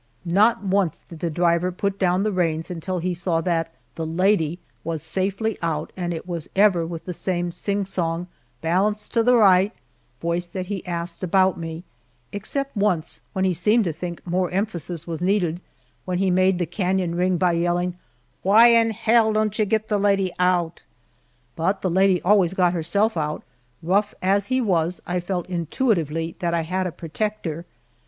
Not once did the driver put down the reins until he saw that "the lady" was safely out and it was ever with the same sing song, "balance to the right," voice that he asked about me except once, when he seemed to think more emphasis was needed, when he made the canon ring by yelling, "Why in hell don't you get the lady out!" But the lady always got herself out. Rough as he was, I felt intuitively that I had a protector.